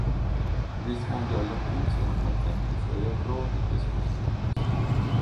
Risponde alle accuse ammettendo i suoi errori e scusandosi.